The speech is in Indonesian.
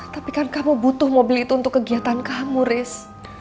tapi kan kamu butuh mobil itu untuk kegiatan kamu riz